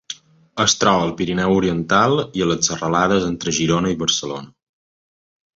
Es troba al Pirineu Oriental i a les serralades entre Girona i Barcelona.